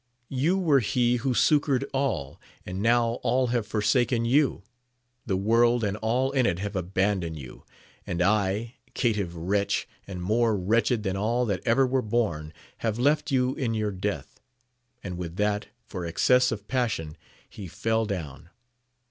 You were he who succoured all, and now all have forsaken you ! the world and all in it have abandoned you ! and I, caitiff wretch, and more wretched than all that ever were born, have left you in your death ! And with that, for excess of passion, he fell down.